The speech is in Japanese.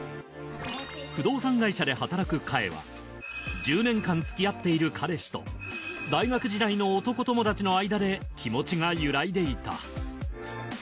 不動産会社で働くかえは１０年間付き合っている彼氏と大学時代の男友達の間で気持ちが揺らいでいた。